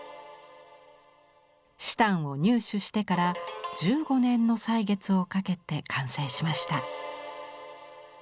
紫檀を入手してから１５年の歳月をかけて完成しました。